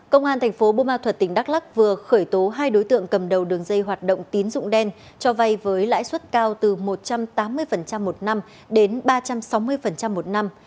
công an thành phố bô ma thuật tỉnh đắk lắc vừa khởi tố hai đối tượng cầm đầu đường dây hoạt động tín dụng đen cho vay với lãi suất cao từ một trăm tám mươi một năm đến ba trăm sáu mươi một năm